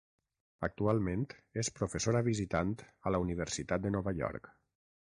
Actualment és professora visitant a la Universitat de Nova York.